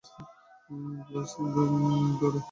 Glass ভরে, হুড়ুম দিয়ে, আবার চাল দিয়ে ঢেলা পায়েস করেও খেত।